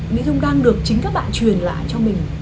mỹ dung đang được chính các bạn truyền lại cho mình